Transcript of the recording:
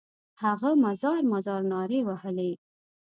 هغه مزار مزار نارې وهلې.